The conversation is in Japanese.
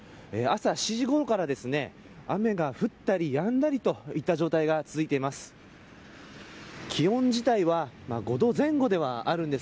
朝７時ごろから雨が降ったりやんだりといった状態が続いています。